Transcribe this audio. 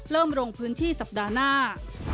ลงพื้นที่สัปดาห์หน้า